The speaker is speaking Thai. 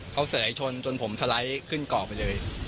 เขาเสยชนจนผมสไลด์ขึ้นเกาะไปเลย